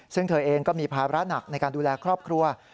ซึ่งเธอเองก็มีภาระหนักในการดูแลครอบครัว